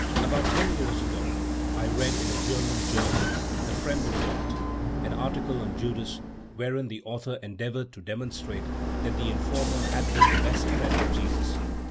About ten years ago, I read in a German journal, the Fremdenblatt, an article on Judas, wherein the author endeavored to demonstrate that the informer had been the best friend of Jesus.